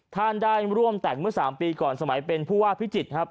ท่านได้ร่วมแต่งเมื่อ๓ปีก่อนสมัยเป็นผู้ว่าพิจิตรครับ